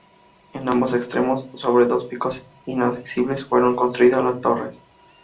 En ambos extremos, sobre dos picos inaccesibles, fueron construidas las torres.